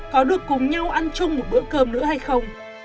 có được cùng nhau ăn chung một bữa cơm nữa hay không